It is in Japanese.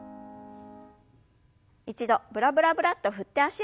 一度ブラブラブラッと振って脚をほぐしましょう。